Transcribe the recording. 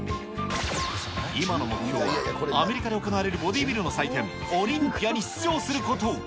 今の目標は、アメリカで行われるボディビルの祭典、オリンピアに出場すること。